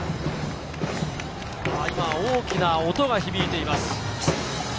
大きな音が響いています。